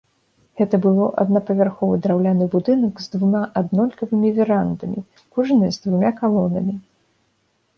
Гэта было адна павярховы драўляны будынак з двума аднолькавымі верандамі, кожная з двумя калонамі.